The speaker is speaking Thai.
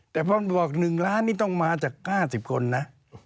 แต่พอบวก๑ล้านนี่ต้องมาจาก๙๐คนนะ